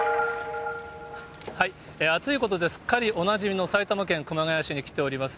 暑いことですっかりおなじみの埼玉県熊谷市に来ております。